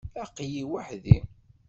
Aql-i weḥd-i.